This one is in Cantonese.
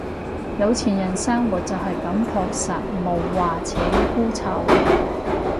有錢人生活就係咁樸實無華且枯燥